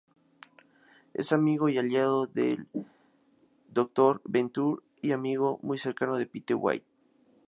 Es amigo y aliado de el Dr.Venture y amigo muy cercano de Pete White.